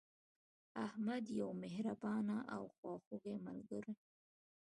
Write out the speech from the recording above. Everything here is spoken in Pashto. احمد یو مهربانه او خواخوږی ملګری